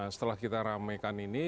setelah kita ramekan ini